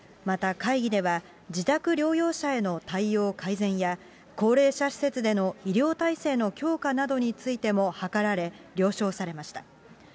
また会議では、自宅療養者への対応改善や、高齢者施設での医療体制の強化などについても諮られ、了承されました。